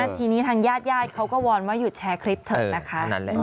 ทีนี้ทางญาติญาติเขาก็วอนว่าหยุดแชร์คลิปเถอะนะคะ